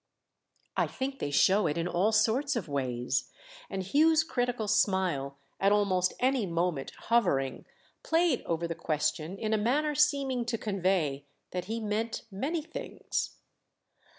"I think they show it in all sorts of ways"—and Hugh's critical smile, at almost any moment hovering, played over the question in a manner seeming to convey that he meant many things.